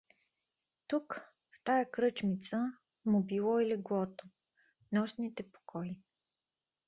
Тук, в тая кръчмица, му било и леглото, нощните покои.